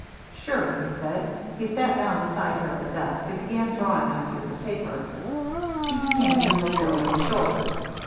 "Sure," he said. He sat down beside her at the desk and began drawing on a piece of paper. Pete came and looked over his shoulder.